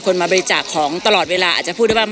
คนมาบริจาคของตลอดเวลาอาจจะพูดได้หรือเปล่า